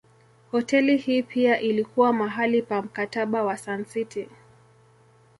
Hoteli hii pia ilikuwa mahali pa Mkataba wa Sun City.